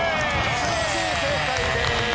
素晴らしい正解です。